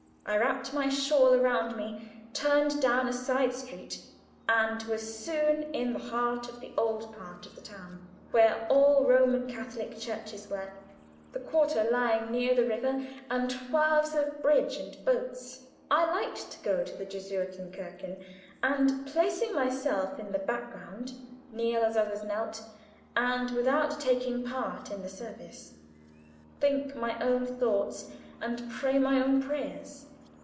I wrapped my shawl around me, turned down a side street, and was soon in the heart of the old part of the town, where all Roman Catholic churches were, the quarter lying near the river and wharves and bridge of boats. I liked to go to the Jesuiten Kirche, and placing myself in the background, kneel as others knelt, and, without taking part in the service, think my own thoughts and pray my own prayers.